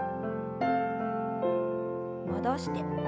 戻して。